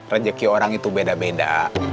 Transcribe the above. rezeki orang itu beda beda